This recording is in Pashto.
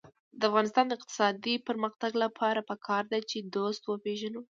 د افغانستان د اقتصادي پرمختګ لپاره پکار ده چې دوست وپېژنو.